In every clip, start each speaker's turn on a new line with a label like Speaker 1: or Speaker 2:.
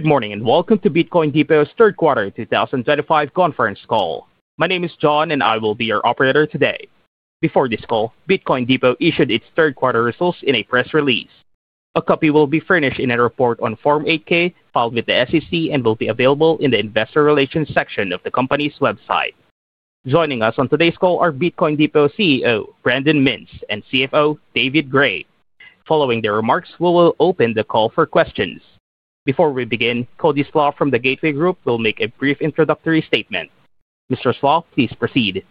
Speaker 1: Good morning and welcome to Bitcoin Depot's third-quarter 2025 conference call. My name is John, and I will be your operator today. Before this call, Bitcoin Depot issued its third-quarter results in a press release. A copy will be furnished in a report on Form 8-K, filed with the SEC, and will be available in the Investor Relations section of the company's website. Joining us on today's call are Bitcoin Depot CEO, Brandon Mintz, and CFO, David Gray. Following their remarks, we will open the call for questions. Before we begin, Cody Slach from the Gateway Group will make a brief introductory statement. Mr. Slach, please proceed.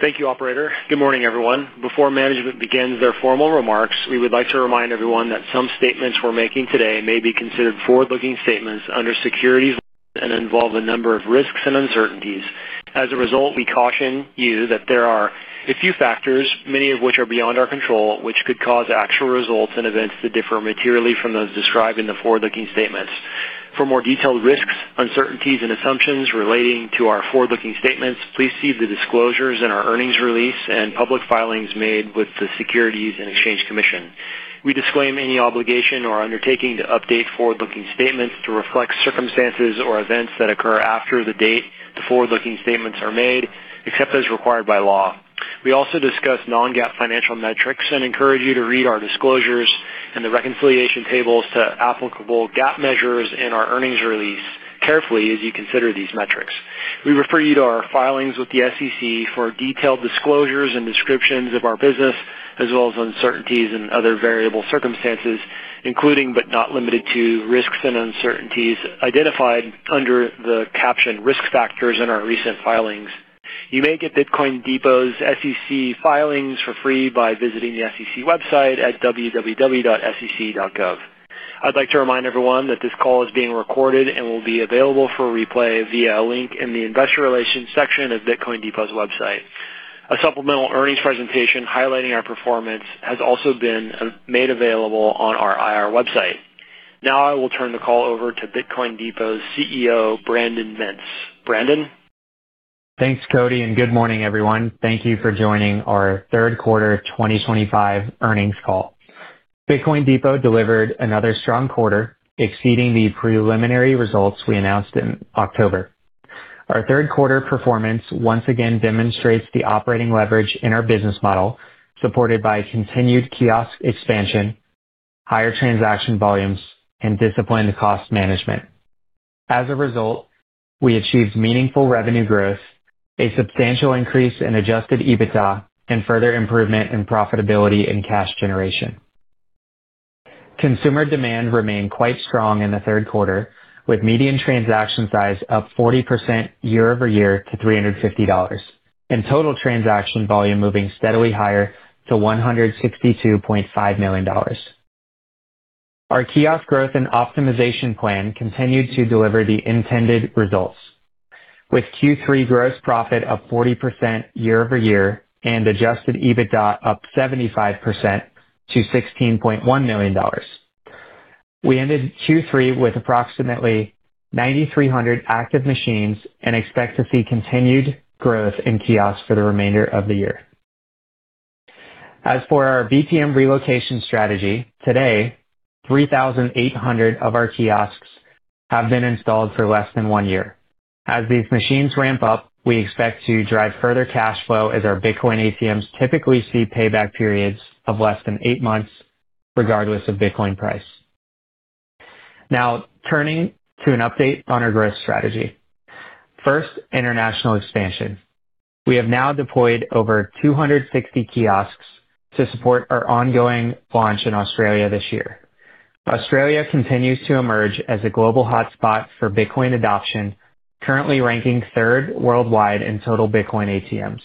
Speaker 2: Thank you, Operator. Good morning, everyone. Before management begins their formal remarks, we would like to remind everyone that some statements we're making today may be considered forward-looking statements under securities and involve a number of risks and uncertainties. As a result, we caution you that there are a few factors, many of which are beyond our control, which could cause actual results and events that differ materially from those described in the forward-looking statements. For more detailed risks, uncertainties, and assumptions relating to our forward-looking statements, please see the disclosures in our earnings release and public filings made with the SEC. We disclaim any obligation or undertaking to update forward-looking statements to reflect circumstances or events that occur after the date the forward-looking statements are made, except as required by law. We also discuss non-GAAP financial metrics and encourage you to read our disclosures and the reconciliation tables to applicable GAAP measures in our earnings release carefully as you consider these metrics. We refer you to our filings with the SEC for detailed disclosures and descriptions of our business, as well as uncertainties and other variable circumstances, including but not limited to risks and uncertainties identified under the captioned risk factors in our recent filings. You may get Bitcoin Depot's SEC filings for free by visiting the SEC website at www.sec.gov. I'd like to remind everyone that this call is being recorded and will be available for replay via a link in the Investor Relations section of Bitcoin Depot's website. A supplemental earnings presentation highlighting our performance has also been made available on our IR website. Now I will turn the call over to Bitcoin Depot's CEO, Brandon Mintz. Brandon.
Speaker 3: Thanks, Cody, and good morning, everyone. Thank you for joining our third-quarter 2025 earnings call. Bitcoin Depot delivered another strong quarter, exceeding the preliminary results we announced in October. Our third-quarter performance once again demonstrates the operating leverage in our business model, supported by continued kiosk expansion, higher transaction volumes, and disciplined cost management. As a result, we achieved meaningful revenue growth, a substantial increase in adjusted EBITDA, and further improvement in profitability and cash generation. Consumer demand remained quite strong in the third quarter, with median transaction size up 40% year-over-year to $350, and total transaction volume moving steadily higher to $162.5 million. Our kiosk growth and optimization plan continued to deliver the intended results, with Q3 gross profit up 40% year-over-year and adjusted EBITDA up 75% to $16.1 million. We ended Q3 with approximately 9,300 active machines and expect to see continued growth in kiosks for the remainder of the year. As for our VPM relocation strategy, today, 3,800 of our kiosks have been installed for less than one year. As these machines ramp up, we expect to drive further cash flow as our Bitcoin ATMs typically see payback periods of less than eight months, regardless of Bitcoin price. Now, turning to an update on our growth strategy. First, international expansion. We have now deployed over 260 kiosks to support our ongoing launch in Australia this year. Australia continues to emerge as a global hotspot for Bitcoin adoption, currently ranking third worldwide in total Bitcoin ATMs.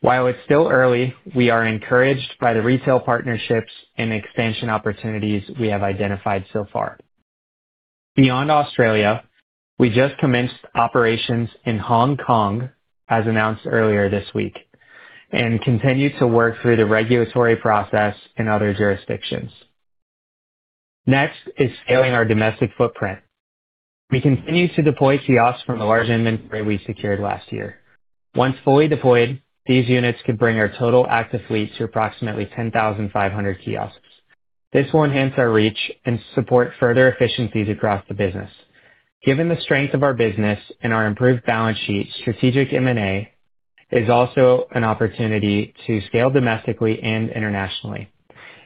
Speaker 3: While it is still early, we are encouraged by the retail partnerships and expansion opportunities we have identified so far. Beyond Australia, we just commenced operations in Hong Kong, as announced earlier this week, and continue to work through the regulatory process in other jurisdictions. Next is scaling our domestic footprint. We continue to deploy kiosks from the large inventory we secured last year. Once fully deployed, these units could bring our total active fleet to approximately 10,500 kiosks. This will enhance our reach and support further efficiencies across the business. Given the strength of our business and our improved balance sheet, strategic M&A is also an opportunity to scale domestically and internationally.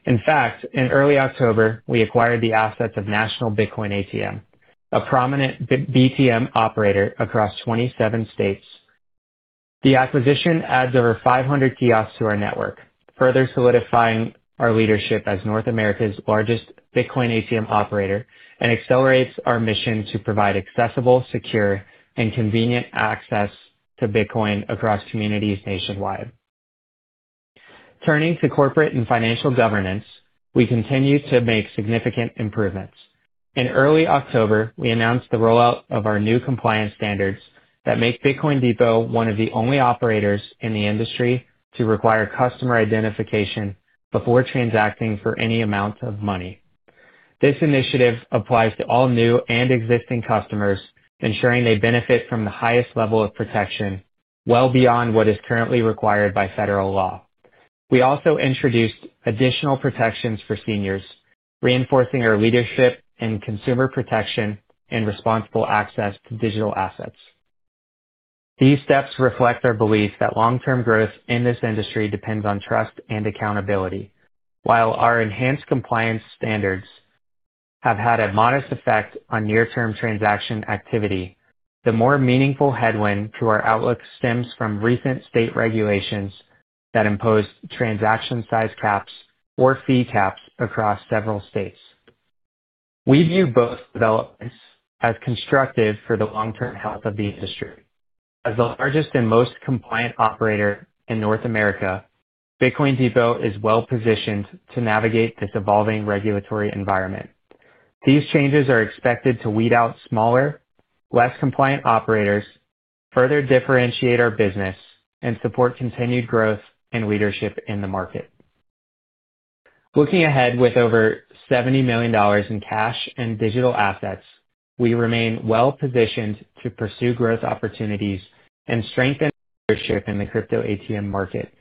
Speaker 3: In fact, in early October, we acquired the assets of National Bitcoin ATM, a prominent BTM operator across 27 states. The acquisition adds over 500 kiosks to our network, further solidifying our leadership as North America's largest Bitcoin ATM operator and accelerates our mission to provide accessible, secure, and convenient access to Bitcoin across communities nationwide. Turning to corporate and financial governance, we continue to make significant improvements. In early October, we announced the rollout of our new compliance standards that make Bitcoin Depot one of the only operators in the industry to require customer identification before transacting for any amount of money. This initiative applies to all new and existing customers, ensuring they benefit from the highest level of protection, well beyond what is currently required by federal law. We also introduced additional protections for seniors, reinforcing our leadership in consumer protection and responsible access to digital assets. These steps reflect our belief that long-term growth in this industry depends on trust and accountability. While our enhanced compliance standards have had a modest effect on near-term transaction activity, the more meaningful headwind to our outlook stems from recent state regulations that imposed transaction size caps or fee caps across several states. We view both developments as constructive for the long-term health of the industry. As the largest and most compliant operator in North America, Bitcoin Depot is well positioned to navigate this evolving regulatory environment. These changes are expected to weed out smaller, less compliant operators, further differentiate our business, and support continued growth and leadership in the market. Looking ahead with over $70 million in cash and digital assets, we remain well positioned to pursue growth opportunities and strengthen leadership in the crypto ATM market.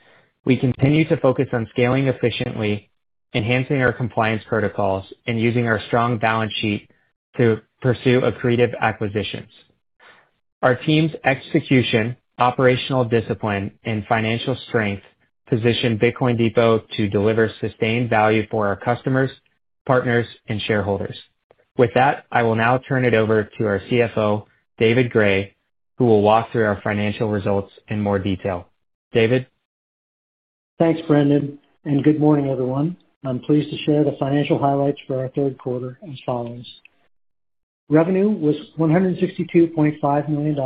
Speaker 3: We continue to focus on scaling efficiently, enhancing our compliance protocols, and using our strong balance sheet to pursue accretive acquisitions. Our team's execution, operational discipline, and financial strength position Bitcoin Depot to deliver sustained value for our customers, partners, and shareholders. With that, I will now turn it over to our CFO, David Gray, who will walk through our financial results in more detail. David.
Speaker 4: Thanks, Brandon. Good morning, everyone. I'm pleased to share the financial highlights for our third quarter as follows. Revenue was $162.5 million,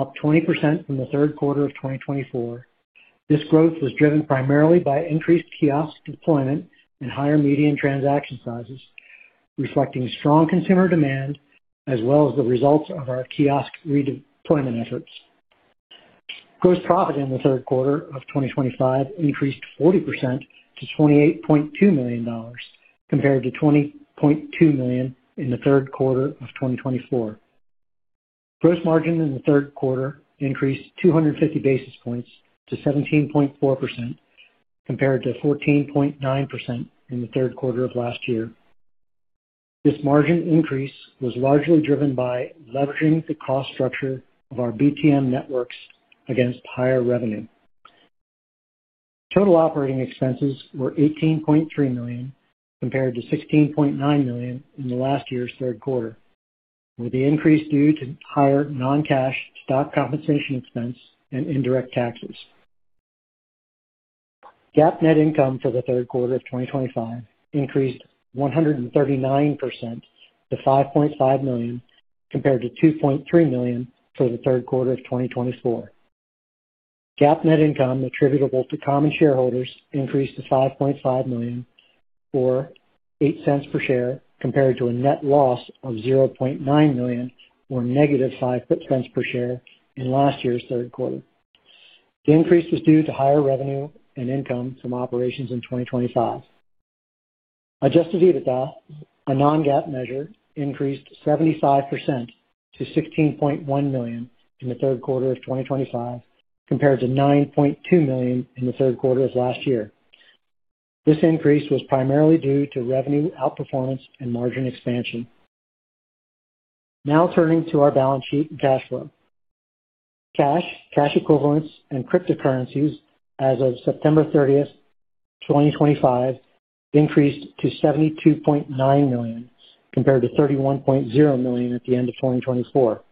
Speaker 4: up 20% from the third quarter of 2024. This growth was driven primarily by increased kiosk deployment and higher median transaction sizes, reflecting strong consumer demand as well as the results of our kiosk redeployment efforts. Gross profit in the third quarter of 2025 increased 40% to $28.2 million, compared to $20.2 million in the third quarter of 2024. Gross margin in the third quarter increased 250 basis points to 17.4%, compared to 14.9% in the third quarter of last year. This margin increase was largely driven by leveraging the cost structure of our BTM networks against higher revenue. Total operating expenses were $18.3 million, compared to $16.9 million in last year's third quarter, with the increase due to higher non-cash stock compensation expense and indirect taxes. GAAP net income for the third quarter of 2025 increased 139% to $5.5 million, compared to $2.3 million for the third quarter of 2024. GAAP net income attributable to common shareholders increased to $5.5 million or $0.08 per share, compared to a net loss of $0.9 million or negative $0.05 per share in last year's third quarter. The increase was due to higher revenue and income from operations in 2025. Adjusted EBITDA, a non-GAAP measure, increased 75% to $16.1 million in the third quarter of 2025, compared to $9.2 million in the third quarter of last year. This increase was primarily due to revenue outperformance and margin expansion. Now turning to our balance sheet and cash flow. Cash, cash equivalents, and cryptocurrencies as of September 30th, 2025, increased to $72.9 million, compared to $31.0 million at the end of 2024.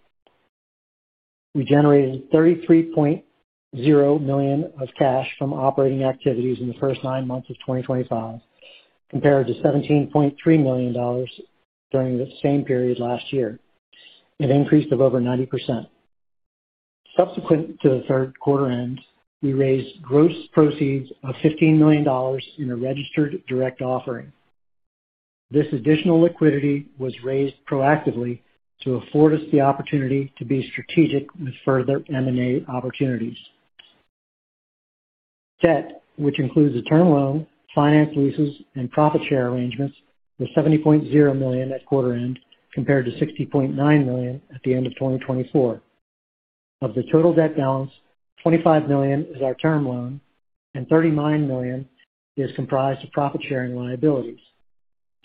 Speaker 4: We generated $33.0 million of cash from operating activities in the first nine months of 2025, compared to $17.3 million during the same period last year. It increased over 90%. Subsequent to the third quarter end, we raised gross proceeds of $15 million in a registered direct offering. This additional liquidity was raised proactively to afford us the opportunity to be strategic with further M&A opportunities. Debt, which includes a term loan, finance leases, and profit share arrangements, was $70.0 million at quarter end, compared to $60.9 million at the end of 2024. Of the total debt balance, $25 million is our term loan, and $39 million is comprised of profit sharing liabilities.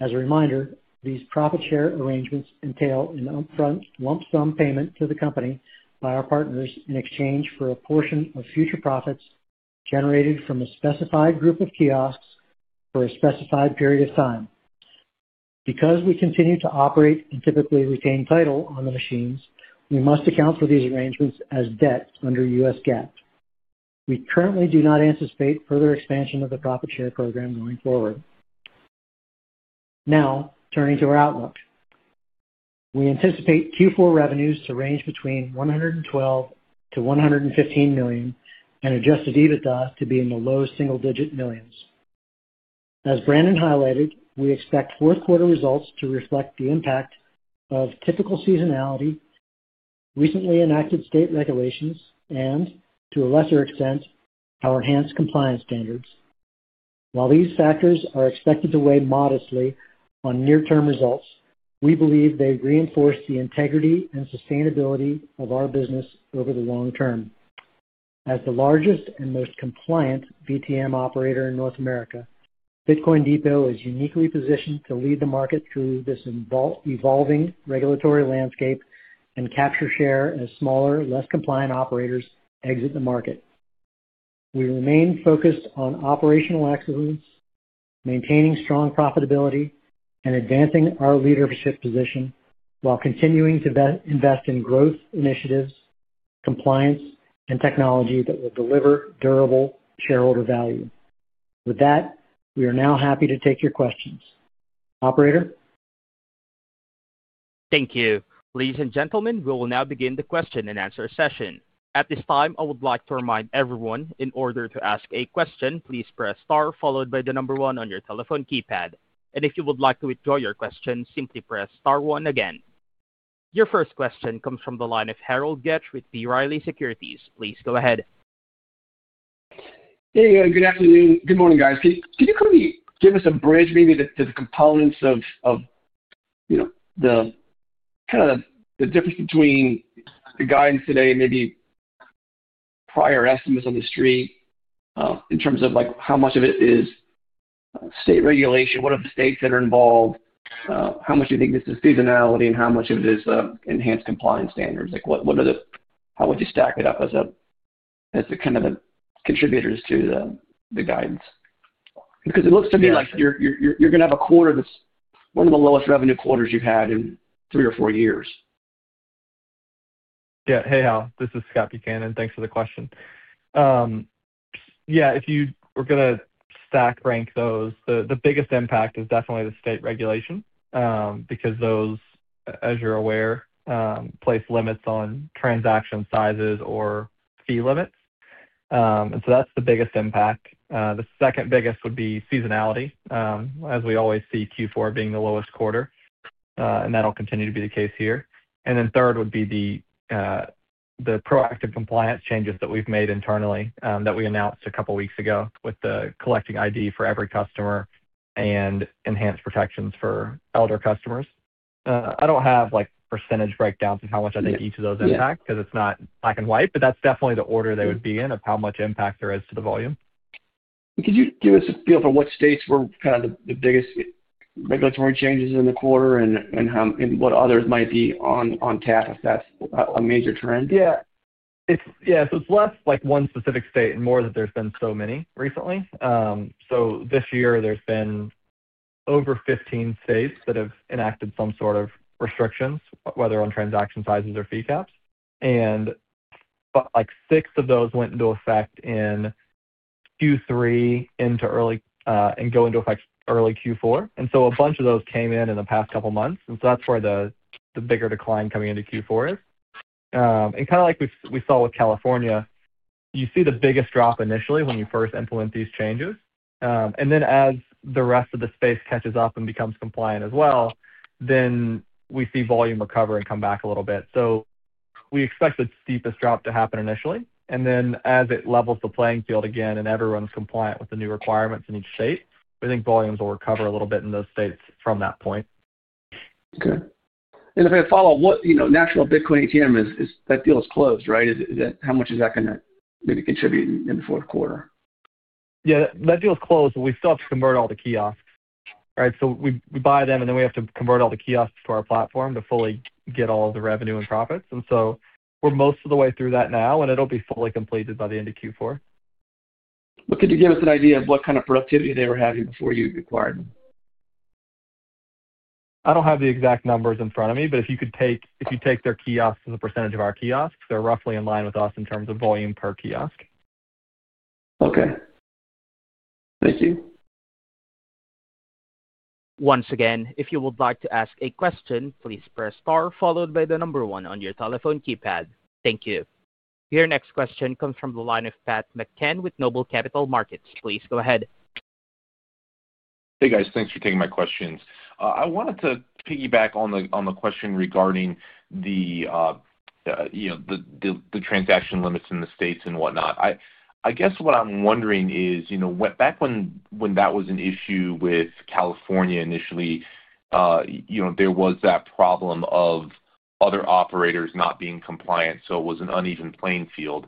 Speaker 4: As a reminder, these profit share arrangements entail an upfront lump sum payment to the company by our partners in exchange for a portion of future profits generated from a specified group of kiosks for a specified period of time. Because we continue to operate and typically retain title on the machines, we must account for these arrangements as debt under U.S. GAAP. We currently do not anticipate further expansion of the profit share program going forward. Now, turning to our outlook. We anticipate Q4 revenues to range between $112-$115 million and adjusted EBITDA to be in the low single-digit millions. As Brandon highlighted, we expect fourth-quarter results to reflect the impact of typical seasonality, recently enacted state regulations, and, to a lesser extent, our enhanced compliance standards. While these factors are expected to weigh modestly on near-term results, we believe they reinforce the integrity and sustainability of our business over the long term. As the largest and most compliant BTM operator in North America, Bitcoin Depot is uniquely positioned to lead the market through this evolving regulatory landscape and capture share as smaller, less compliant operators exit the market. We remain focused on operational excellence, maintaining strong profitability, and advancing our leadership position while continuing to invest in growth initiatives, compliance, and technology that will deliver durable shareholder value. With that, we are now happy to take your questions. Operator.
Speaker 1: Thank you. Ladies and gentlemen, we will now begin the question and answer session. At this time, I would like to remind everyone, in order to ask a question, please press star followed by the number one on your telephone keypad. If you would like to withdraw your question, simply press star one again. Your first question comes from the line of Harold Goetsch with B. Riley Securities. Please go ahead.
Speaker 5: Hey, good afternoon. Good morning, guys. Could you kind of give us a bridge maybe to the components of the kind of the difference between the guidance today and maybe prior estimates on the street in terms of how much of it is state regulation? What are the states that are involved? How much do you think this is seasonality and how much of it is enhanced compliance standards? How would you stack it up as kind of the contributors to the guidance? Because it looks to me like you're going to have a quarter that's one of the lowest revenue quarters you've had in three or four years.
Speaker 6: Yeah. Hey, Hal. This is Scott Buchanan. Thanks for the question. Yeah, if you were going to stack rank those, the biggest impact is definitely the state regulation because those, as you're aware, place limits on transaction sizes or fee limits. That is the biggest impact. The second biggest would be seasonality, as we always see Q4 being the lowest quarter, and that'll continue to be the case here. Third would be the proactive compliance changes that we've made internally that we announced a couple of weeks ago with the collecting ID for every customer and enhanced protections for elder customers. I don't have percentage breakdowns of how much I think each of those impact because it's not black and white, but that's definitely the order they would be in of how much impact there is to the volume.
Speaker 5: Could you give us a feel for what states were kind of the biggest regulatory changes in the quarter and what others might be on tap if that's a major trend?
Speaker 6: Yeah. Yeah. So it's less one specific state and more that there's been so many recently. This year, there's been over 15 states that have enacted some sort of restrictions, whether on transaction sizes or fee caps. About six of those went into effect in Q3 and go into effect early Q4. A bunch of those came in in the past couple of months. That's where the bigger decline coming into Q4 is. Kind of like we saw with California, you see the biggest drop initially when you first implement these changes. As the rest of the space catches up and becomes compliant as well, we see volume recover and come back a little bit. We expect the steepest drop to happen initially. As it levels the playing field again and everyone's compliant with the new requirements in each state, we think volumes will recover a little bit in those states from that point.
Speaker 5: Okay. If I follow, what National Bitcoin ATM, that deal is closed, right? How much is that going to maybe contribute in the fourth quarter?
Speaker 6: Yeah. That deal is closed. We still have to convert all the kiosks, right? We buy them and then we have to convert all the kiosks to our platform to fully get all of the revenue and profits. We are most of the way through that now, and it will be fully completed by the end of Q4.
Speaker 5: Could you give us an idea of what kind of productivity they were having before you acquired them?
Speaker 6: I don't have the exact numbers in front of me, but if you take their kiosks as a percentage of our kiosks, they're roughly in line with us in terms of volume per kiosk.
Speaker 5: Okay. Thank you.
Speaker 1: Once again, if you would like to ask a question, please press star followed by the number one on your telephone keypad. Thank you. Your next question comes from the line of Pat McCann with Noble Capital Markets. Please go ahead.
Speaker 7: Hey, guys. Thanks for taking my questions. I wanted to piggyback on the question regarding the transaction limits in the states and whatnot. I guess what I'm wondering is back when that was an issue with California initially, there was that problem of other operators not being compliant, so it was an uneven playing field.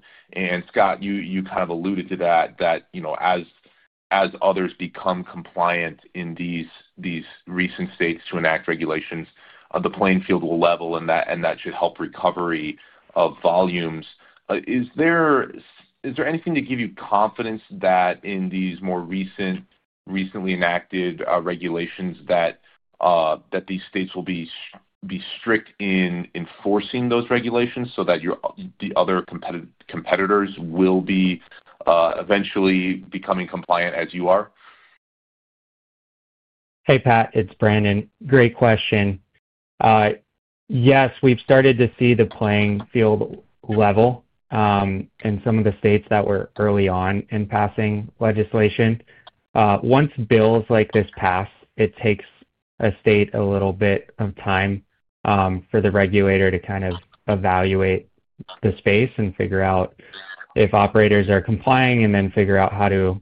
Speaker 7: Scott, you kind of alluded to that, that as others become compliant in these recent states to enact regulations, the playing field will level and that should help recovery of volumes. Is there anything to give you confidence that in these more recently enacted regulations that these states will be strict in enforcing those regulations so that the other competitors will be eventually becoming compliant as you are?
Speaker 3: Hey, Pat. It's Brandon. Great question. Yes, we've started to see the playing field level in some of the states that were early on in passing legislation. Once bills like this pass, it takes a state a little bit of time for the regulator to kind of evaluate the space and figure out if operators are complying and then figure out how to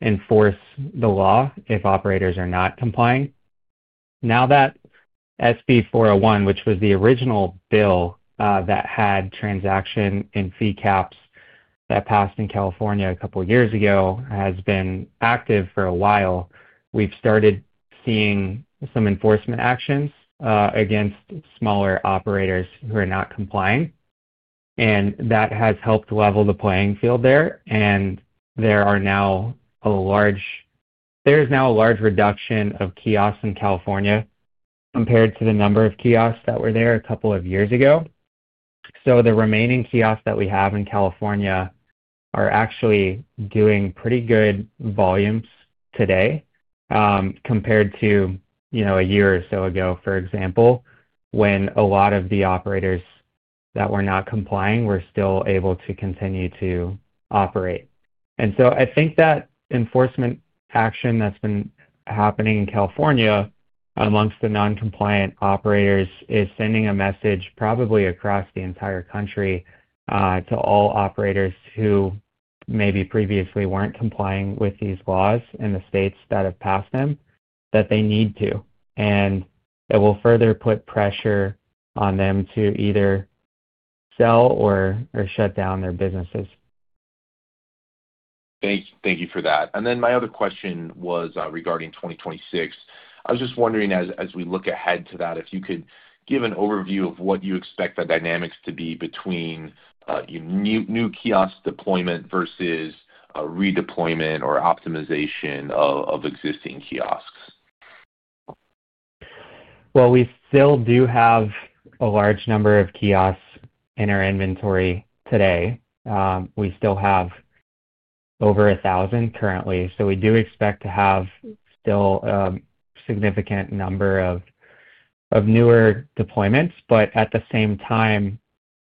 Speaker 3: enforce the law if operators are not complying. Now that SB 401, which was the original bill that had transaction and fee caps that passed in California a couple of years ago, has been active for a while, we've started seeing some enforcement actions against smaller operators who are not complying. That has helped level the playing field there. There is now a large reduction of kiosks in California compared to the number of kiosks that were there a couple of years ago. The remaining kiosks that we have in California are actually doing pretty good volumes today compared to a year or so ago, for example, when a lot of the operators that were not complying were still able to continue to operate. I think that enforcement action that has been happening in California amongst the non-compliant operators is sending a message probably across the entire country to all operators who maybe previously were not complying with these laws in the states that have passed them that they need to. It will further put pressure on them to either sell or shut down their businesses.
Speaker 7: Thank you for that. My other question was regarding 2026. I was just wondering, as we look ahead to that, if you could give an overview of what you expect the dynamics to be between new kiosk deployment versus redeployment or optimization of existing kiosks.
Speaker 3: We still do have a large number of kiosks in our inventory today. We still have over 1,000 currently. We do expect to have still a significant number of newer deployments. At the same time,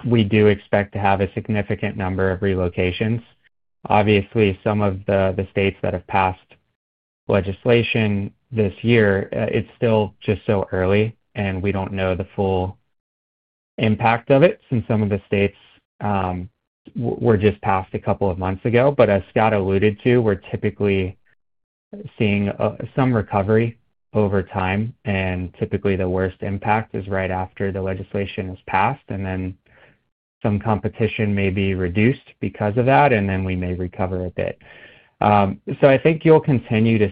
Speaker 3: we do expect to have a significant number of relocations. Obviously, some of the states that have passed legislation this year, it's still just so early, and we do not know the full impact of it since some of the states were just passed a couple of months ago. As Scott alluded to, we are typically seeing some recovery over time. Typically, the worst impact is right after the legislation is passed, and then some competition may be reduced because of that, and then we may recover a bit. I think you'll continue to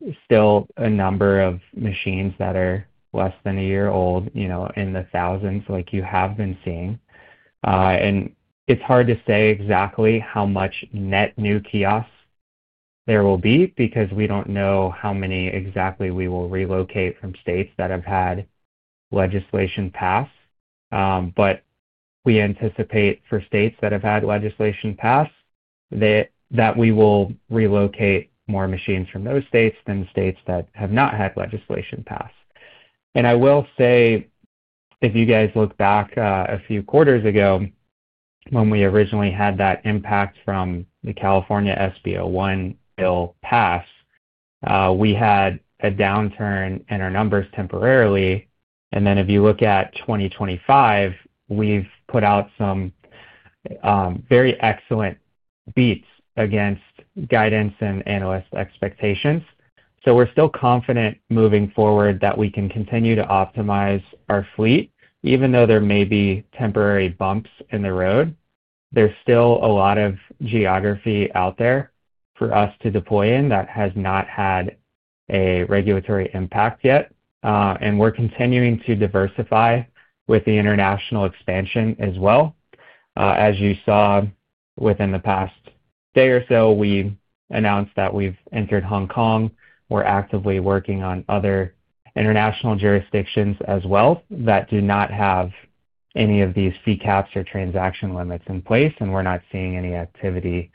Speaker 3: see still a number of machines that are less than a year old in the thousands like you have been seeing. It's hard to say exactly how much net new kiosks there will be because we don't know how many exactly we will relocate from states that have had legislation pass. We anticipate for states that have had legislation pass that we will relocate more machines from those states than states that have not had legislation pass. I will say, if you guys look back a few quarters ago when we originally had that impact from the California SB 401 bill pass, we had a downturn in our numbers temporarily. If you look at 2025, we've put out some very excellent beats against guidance and analyst expectations. We're still confident moving forward that we can continue to optimize our fleet. Even though there may be temporary bumps in the road, there's still a lot of geography out there for us to deploy in that has not had a regulatory impact yet. We're continuing to diversify with the international expansion as well. As you saw within the past day or so, we announced that we've entered Hong Kong. We're actively working on other international jurisdictions as well that do not have any of these fee caps or transaction limits in place, and we're not seeing any activity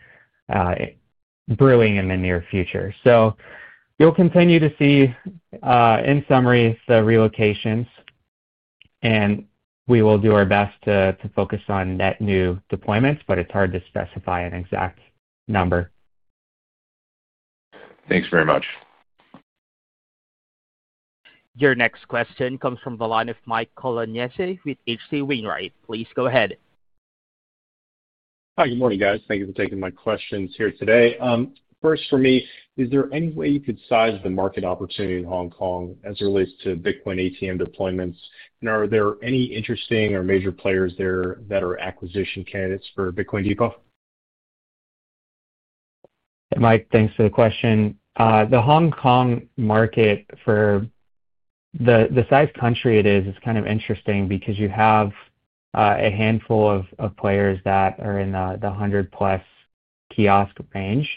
Speaker 3: brewing in the near future. You'll continue to see, in summary, the relocations, and we will do our best to focus on net new deployments, but it's hard to specify an exact number.
Speaker 7: Thanks very much.
Speaker 1: Your next question comes from the line of Mike Colonnese with H.C. Wainwright. Please go ahead.
Speaker 8: Hi, good morning, guys. Thank you for taking my questions here today. First, for me, is there any way you could size the market opportunity in Hong Kong as it relates to Bitcoin ATM deployments? Are there any interesting or major players there that are acquisition candidates for Bitcoin Depot?
Speaker 3: Mike, thanks for the question. The Hong Kong market, for the size country it is, is kind of interesting because you have a handful of players that are in the 100+ kiosk range.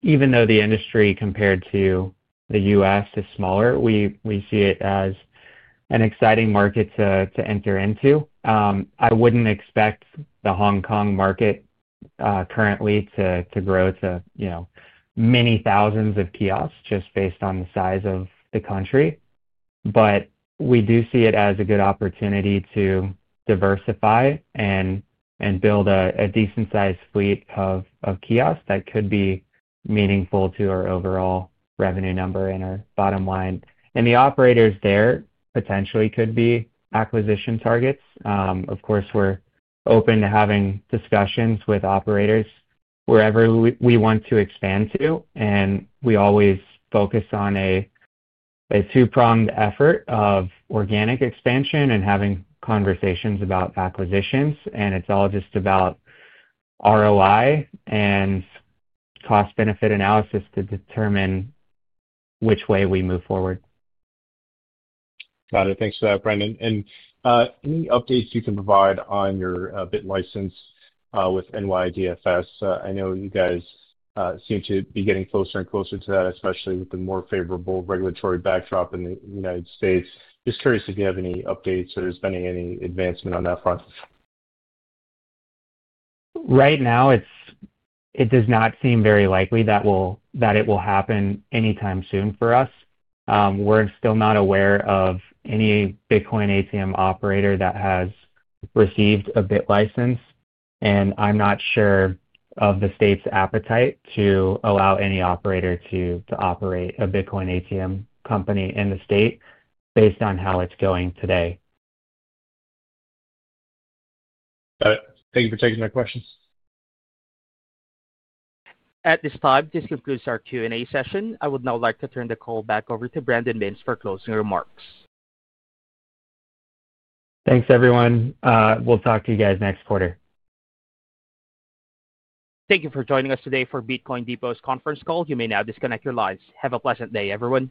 Speaker 3: Even though the industry compared to the U.S. is smaller, we see it as an exciting market to enter into. I would not expect the Hong Kong market currently to grow to many thousands of kiosks just based on the size of the country. We do see it as a good opportunity to diversify and build a decent-sized fleet of kiosks that could be meaningful to our overall revenue number and our bottom line. The operators there potentially could be acquisition targets. Of course, we are open to having discussions with operators wherever we want to expand to. We always focus on a two-pronged effort of organic expansion and having conversations about acquisitions. It's all just about ROI and cost-benefit analysis to determine which way we move forward.
Speaker 8: Got it. Thanks for that, Brandon. Any updates you can provide on your Bit License with NYDFS? I know you guys seem to be getting closer and closer to that, especially with the more favorable regulatory backdrop in the United States. Just curious if you have any updates or there has been any advancement on that front.
Speaker 3: Right now, it does not seem very likely that it will happen anytime soon for us. We're still not aware of any Bitcoin ATM operator that has received a Bit License. I'm not sure of the state's appetite to allow any operator to operate a Bitcoin ATM company in the state based on how it's going today.
Speaker 8: Got it. Thank you for taking my questions.
Speaker 1: At this time, this concludes our Q&A session. I would now like to turn the call back over to Brandon Mintz for closing remarks.
Speaker 3: Thanks, everyone. We'll talk to you guys next quarter.
Speaker 1: Thank you for joining us today for Bitcoin Depot's conference call. You may now disconnect your lines. Have a pleasant day, everyone.